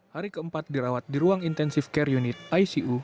hari keempat dirawat di ruang intensive care unit icu